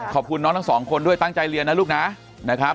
ขอบคุณน้องทั้งสองคนด้วยตั้งใจเรียนนะลูกนะนะครับ